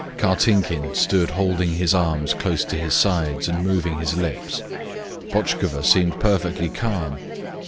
Kartinkin stood holding his arms close to his sides and moving his lips. Botchkova seemed perfectly calm.